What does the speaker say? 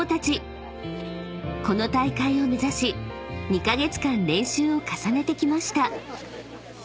［この大会を目指し２カ月間練習を重ねてきました］